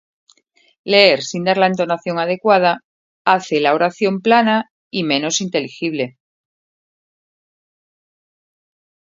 leer sin dar la entonación adecuada hace la oración plana y menos inteligible